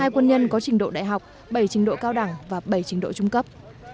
hai quân nhân có trình độ đại học bảy trình độ cao đẳng và bảy trình độ trung cấp